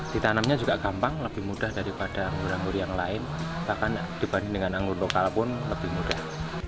ditanamnya juga gampang lebih mudah daripada anggur anggur yang lain bahkan dibanding dengan anggur lokal pun lebih mudah